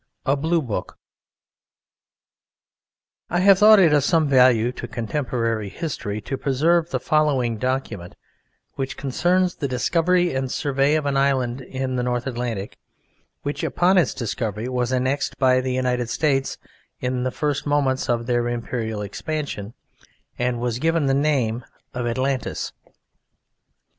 A BLUE BOOK I have thought it of some value to contemporary history to preserve the following document, which concerns the discovery and survey of an island in the North Atlantic, which upon its discovery was annexed by the United States in the first moments of their imperial expansion, and was given the name of "Atlantis."